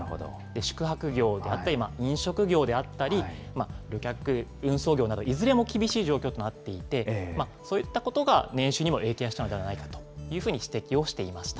宿泊業だったり、飲食業であったり、旅客運送業など、いずれも厳しい状況となっていて、そういったことが年収にも影響したのではないかというふうに指摘をしていました。